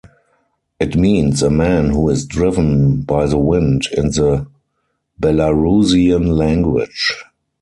It means a man who is driven by the wind in the Belarusian language.